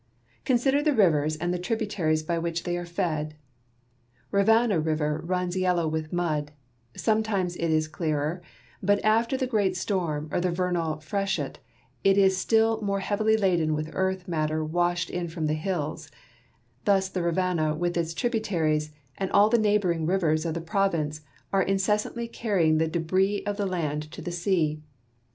Consider the rivers and the tributaries by which they are fed : Rivanna river runs yellow with mud ; sometimes it is clearer, hut after the great storm or the vernal freshet it is still more heavily laden with earth matter washed in from the hills; thus the Rivanna with its tributaries, and all the neighboring rivers of the province are incessant!}^ carrying the debris of the land to the sea.